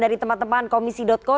dari teman teman komisi co